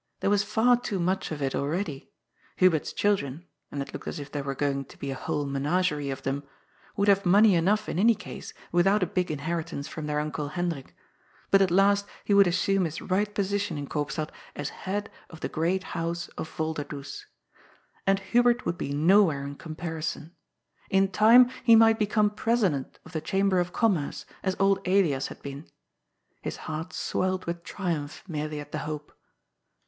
There was far too much of it already. Hubert's children — and it looked as if there were going to be a whole menagerie of them — would have money enough in any case, without a big inheritance from their uncle Hendrik. But at last he would assume his right position in Eoopstad as head of the great house of Volderdoes. And Hubert would be nowhere in comparison. In time he might become President of the Chamber of Commerce, as old Elias had been. His heart swelled with triumph merely at the hope.